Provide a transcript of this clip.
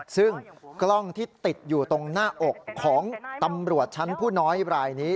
ซึ่งกล้องที่ติดอยู่ตรงหน้าอกของตำรวจชั้นผู้น้อยรายนี้